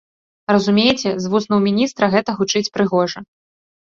Разумееце, з вуснаў міністра гэта гучыць прыгожа.